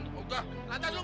dahlah dah cepet cepet cepet